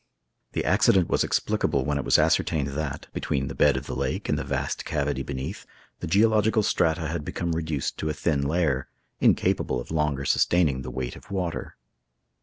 The accident was explicable when it was ascertained that, between the bed of the lake and the vast cavity beneath, the geological strata had become reduced to a thin layer, incapable of longer sustaining the weight of water.